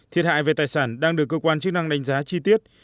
thiệt hại về tài sản đang được cơ quan chức năng đánh giá chi tiết